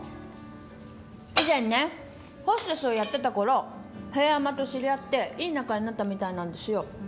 以前ねホステスをやってた頃平山と知り合っていい仲になったみたいなんですよ。